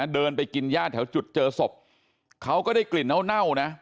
เดินไปกินย่าแถวจุดเจอศพเขาก็ได้กลิ่นเน่านะ